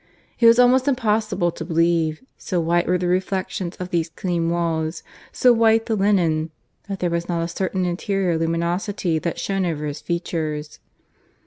It was almost impossible to believe, so white were the reflections of these clean walls, so white the linen, that there was not a certain interior luminosity that shone over his features.